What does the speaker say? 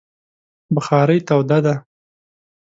بخارۍ توده ده